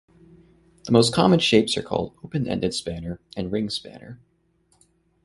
The most common shapes are called "open-ended spanner" and "ring spanner".